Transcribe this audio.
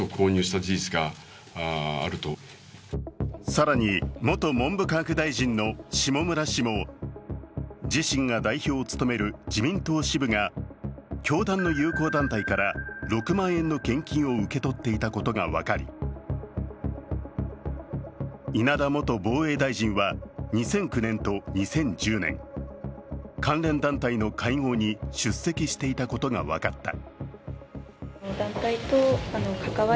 更に元文部科学大臣の下村氏も、自身が代表を務める自民党支部が教団の友好団体から６万円の献金を受け取っていたことが分かり、稲田元防衛大臣は２００９年と２０１０年、関連団体の会合に出席していたことが分かった。